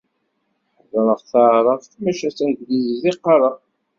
Heddreɣ taεrabt, maca d taglizit i qqareɣ.